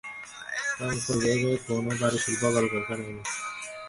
রংপুর বিভাগে কোনো ভারী শিল্প কলকারখানা নেই।